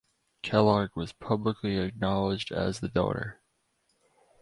Kellogg was publicly acknowledged as the donor.